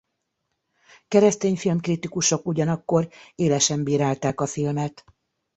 Keresztény filmkritikusok ugyanakkor élesen bírálták a filmet.